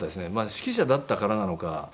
指揮者だったからなのか。